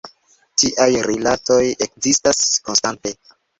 Tiaj rilatoj ekzistas konstante.